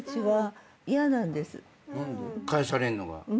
返されんのが。